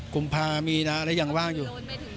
กุมภามีนะอะไรอย่างว่างอยู่